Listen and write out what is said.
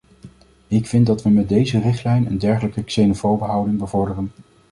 Ik vind dat we met deze richtlijn een dergelijke xenofobe houding bevorderen.